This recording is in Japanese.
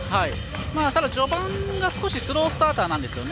ただ、序盤が少しスロースターターなんですよね。